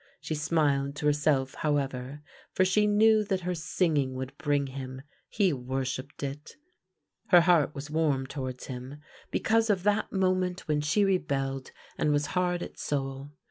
She smiled to herself, however, for she knew that her singing would bring him — he worshipped it. Her heart was warm towards him, be cause of that moment when she rebelled and was hard at soul.